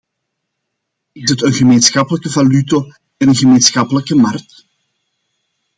Is het een gemeenschappelijke valuta en een gemeenschappelijke markt?